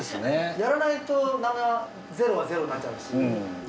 やらないとゼロはゼロになっちゃいますし。